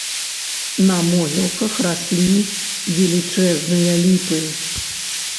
На могілках раслі велічэзныя ліпы.